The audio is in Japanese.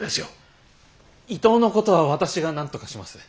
伊藤のことは私がなんとかします。